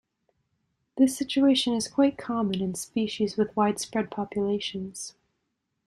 This situation is quite common in species with widespread populations.